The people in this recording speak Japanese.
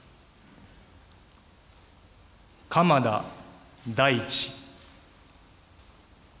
鎌田大地。